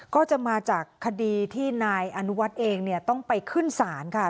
ก็จะมาจากคดีที่นายอนุวัฒน์เองเนี่ยต้องไปขึ้นศาลค่ะ